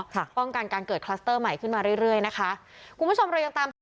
และป้องกันการเกิดคลัสเตอร์ใหม่ขึ้นมาเรื่อยนะคะ